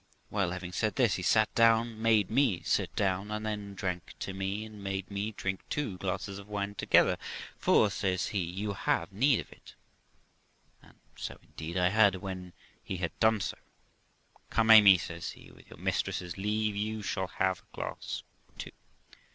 Well, having said this, he sat down, made me sit down, and then drank to me, and made me drink two glasses of wine together; 'For', says he, 'you have need of it'; and so indeed I had. When he had done so, 'Come, Amy', says he, 'with your mistress's leave, you shall have a glass too.'